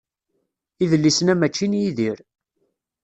Idlisen-a mačči n Yidir.